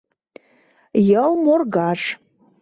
ЙЫЛМОРГАЖ